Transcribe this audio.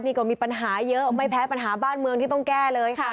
นี่ก็มีปัญหาเยอะไม่แพ้ปัญหาบ้านเมืองที่ต้องแก้เลยค่ะ